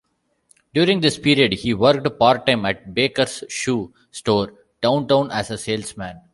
During this period he worked part-time at Baker's Shoe Store downtown, as a salesman.